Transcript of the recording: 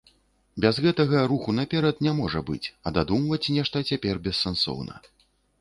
Без гэтага руху наперад не можа быць, а дадумваць нешта цяпер бессэнсоўна.